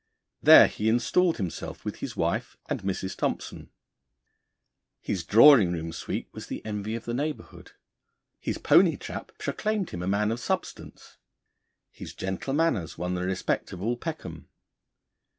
There he installed himself with his wife and Mrs. Thompson. His drawing room suite was the envy of the neighbourhood; his pony trap proclaimed him a man of substance; his gentle manners won the respect of all Peckham.